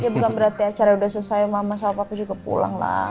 ya bukan berarti acara sudah selesai mama sama papa aku juga pulang lah